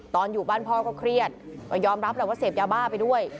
อยู่บ้านพ่อก็เครียดก็ยอมรับแหละว่าเสพยาบ้าไปด้วย